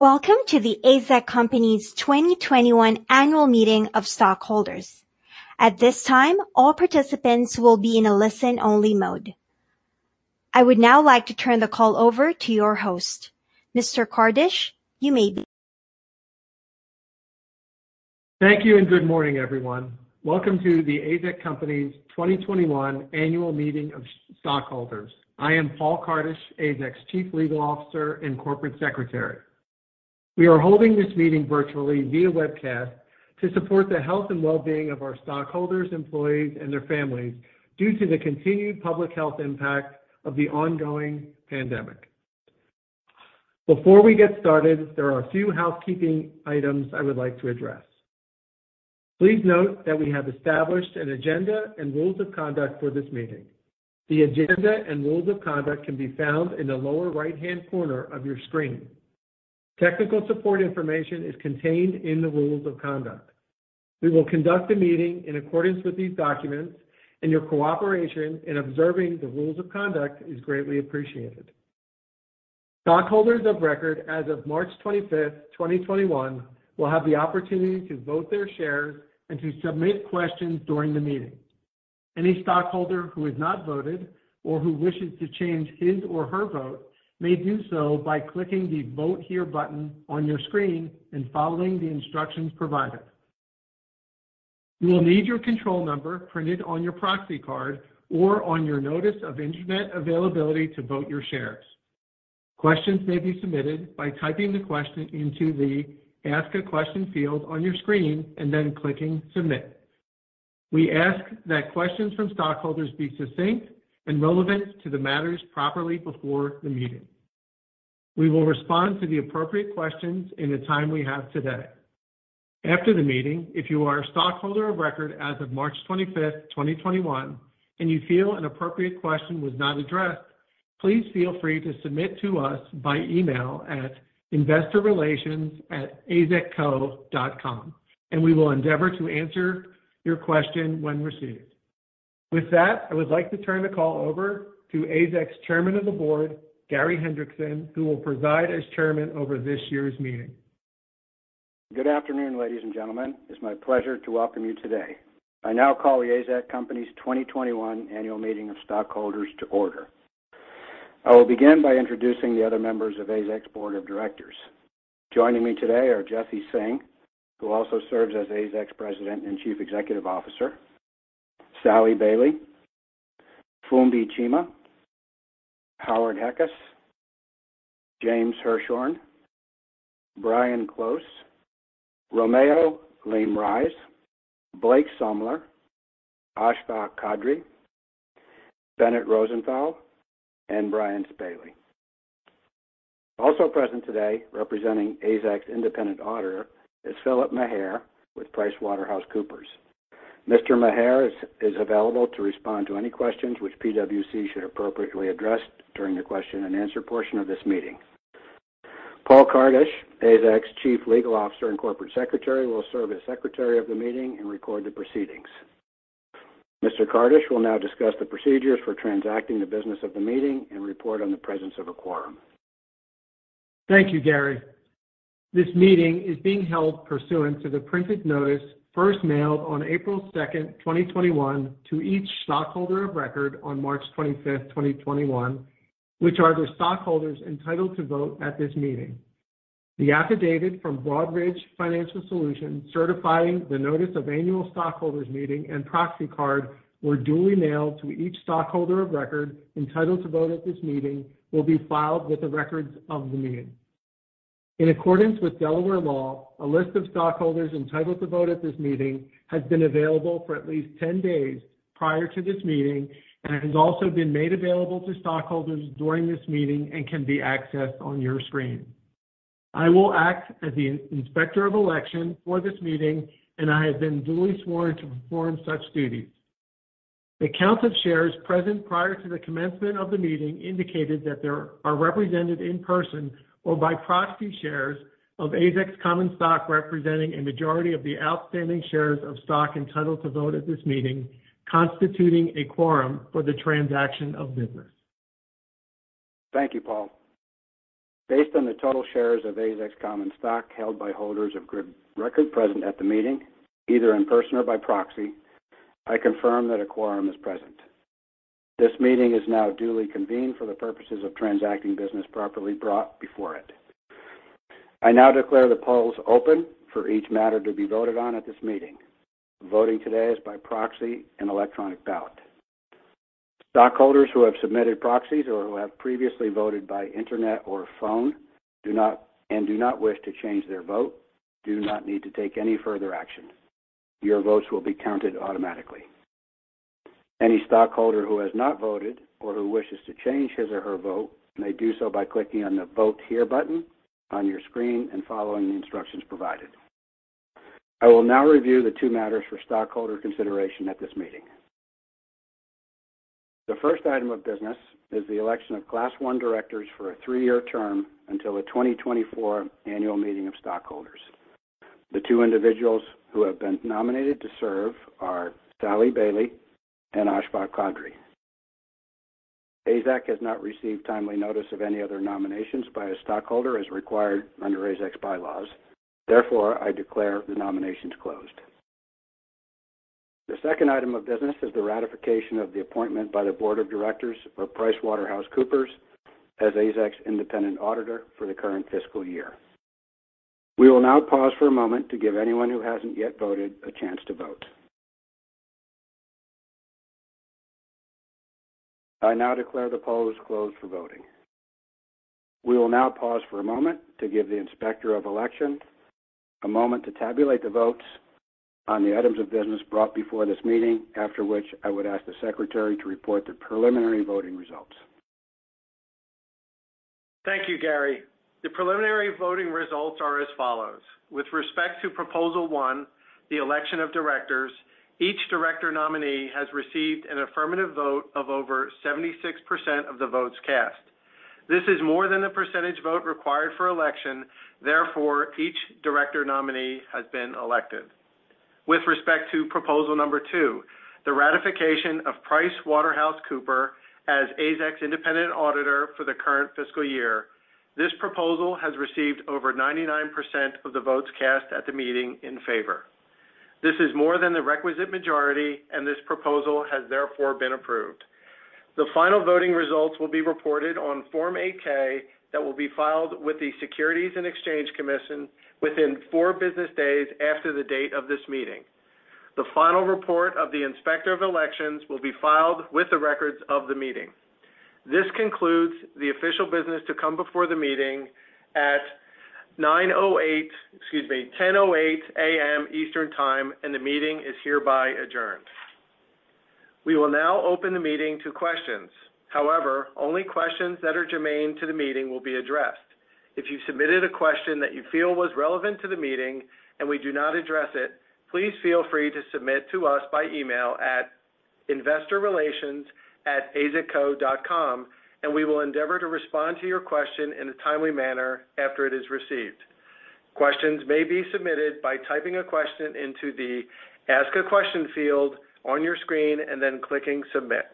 Welcome to The AZEK Company's 2021 Annual Meeting of Stockholders. At this time, all participants will be in a listen-only mode. I would now like to turn the call over to your host. Mr. Kardish, you may begin. Thank you, and good morning, everyone. Welcome to The AZEK Company's 2021 Annual Meeting of Stockholders. I am Paul Kardish, AZEK's Chief Legal Officer and Corporate Secretary. We are holding this meeting virtually via webcast to support the health and well-being of our stockholders, employees, and their families due to the continued public health impact of the ongoing pandemic. Before we get started, there are a few housekeeping items I would like to address. Please note that we have established an agenda and rules of conduct for this meeting. The agenda and rules of conduct can be found in the lower right-hand corner of your screen. Technical support information is contained in the rules of conduct. We will conduct the meeting in accordance with these documents, and your cooperation in observing the rules of conduct is greatly appreciated. Stockholders of record as of March 25th, 2021, will have the opportunity to vote their shares and to submit questions during the meeting. Any stockholder who has not voted or who wishes to change his or her vote may do so by clicking the Vote Here button on your screen and following the instructions provided. You will need your control number printed on your proxy card or on your Notice of Internet Availability to vote your shares. Questions may be submitted by typing the question into the Ask a Question field on your screen and then clicking Submit. We ask that questions from stockholders be succinct and relevant to the matters properly before the meeting. We will respond to the appropriate questions in the time we have today. After the meeting, if you are a stockholder of record as of March 25th, 2021, and you feel an appropriate question was not addressed, please feel free to submit to us by email at investorrelations@azekco.com, and we will endeavor to answer your question when received. With that, I would like to turn the call over to AZEK's Chairman of the Board, Gary Hendrickson, who will preside as chairman over this year's meeting. Good afternoon, ladies and gentlemen. It's my pleasure to welcome you today. I now call The AZEK Company's 2021 Annual Meeting of Stockholders to order. I will begin by introducing the other members of AZEK's Board of Directors. Joining me today are Jesse Singh, who also serves as AZEK's President and Chief Executive Officer, Sallie Bailey, Fumbi Chima, Howard Heckes, James Hirshorn, Brian Klos, Romeo Leemrijse, Blake Sumler, Ashfaq Qadri, Bennett Rosenthal, and Brian Spaly. Also present today, representing AZEK's independent auditor, is Philip Maher with PricewaterhouseCoopers. Mr. Maher is available to respond to any questions which PwC should appropriately address during the question and answer portion of this meeting. Paul Kardish, AZEK's Chief Legal Officer and Corporate Secretary, will serve as Secretary of the meeting and record the proceedings. Mr. Kardish will now discuss the procedures for transacting the business of the meeting and report on the presence of a quorum. Thank you, Gary. This meeting is being held pursuant to the printed notice first mailed on April 2nd, 2021, to each stockholder of record on March 25th, 2021, which are the stockholders entitled to vote at this meeting. The affidavit from Broadridge Financial Solutions certifying the notice of annual stockholders' meeting and proxy card were duly mailed to each stockholder of record entitled to vote at this meeting will be filed with the records of the meeting. In accordance with Delaware law, a list of stockholders entitled to vote at this meeting has been available for at least 10 days prior to this meeting and has also been made available to stockholders during this meeting and can be accessed on your screen. I will act as the Inspector of Election for this meeting, and I have been duly sworn to perform such duties. The count of shares present prior to the commencement of the meeting indicated that there are represented in person or by proxy shares of AZEK's common stock representing a majority of the outstanding shares of stock entitled to vote at this meeting, constituting a quorum for the transaction of business. Thank you, Paul. Based on the total shares of AZEK's common stock held by holders of record present at the meeting, either in person or by proxy, I confirm that a quorum is present. This meeting is now duly convened for the purposes of transacting business properly brought before it. I now declare the polls open for each matter to be voted on at this meeting. Voting today is by proxy and electronic ballot. Stockholders who have submitted proxies or who have previously voted by internet or phone, and do not wish to change their vote, do not need to take any further action. Your votes will be counted automatically. Any stockholder who has not voted or who wishes to change his or her vote may do so by clicking on the Vote Here button on your screen and following the instructions provided. I will now review the two matters for stockholder consideration at this meeting. The first item of business is the election of Class I Directors for a three-year term until the 2024 Annual Meeting of Stockholders. The two individuals who have been nominated to serve are Sallie Bailey and Ashfaq Qadri. The AZEK Company has not received timely notice of any other nominations by a stockholder as required under The AZEK Company's bylaws. I declare the nominations closed. The second item of business is the ratification of the appointment by the Board of Directors for PricewaterhouseCoopers as The AZEK Company's independent auditor for the current fiscal year. We will now pause for a moment to give anyone who hasn't yet voted a chance to vote. I now declare the polls closed for voting. We will now pause for a moment to give the Inspector of Election a moment to tabulate the votes on the items of business brought before this meeting, after which I would ask the Secretary to report the preliminary voting results. Thank you, Gary. The preliminary voting results are as follows. With respect to proposal one, the election of directors, each director nominee has received an affirmative vote of over 76% of the votes cast. This is more than the percentage vote required for election. Therefore, each director nominee has been elected. With respect to proposal number two, the ratification of PricewaterhouseCoopers as AZEK's independent auditor for the current fiscal year, this proposal has received over 99% of the votes cast at the meeting in favor. This is more than the requisite majority, and this proposal has therefore been approved. The final voting results will be reported on Form 8-K that will be filed with the Securities and Exchange Commission within four business days after the date of this meeting. The final report of the Inspector of Elections will be filed with the records of the meeting. This concludes the official business to come before the meeting at 9:08, excuse me, 10:08 A.M. Eastern Time, and the meeting is hereby adjourned. We will now open the meeting to questions. However, only questions that are germane to the meeting will be addressed. If you submitted a question that you feel was relevant to the meeting and we do not address it, please feel free to submit to us by email at investorrelations@azekco.com, and we will endeavor to respond to your question in a timely manner after it is received. Questions may be submitted by typing a question into the Ask a Question field on your screen and then clicking Submit.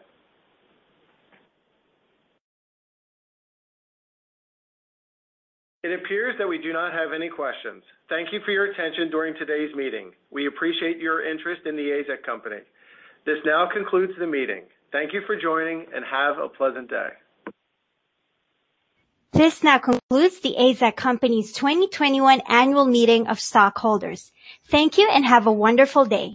It appears that we do not have any questions. Thank you for your attention during today's meeting. We appreciate your interest in The AZEK Company. This now concludes the meeting. Thank you for joining, and have a pleasant day. This now concludes The AZEK Company's 2021 Annual Meeting of Stockholders. Thank you, have a wonderful day.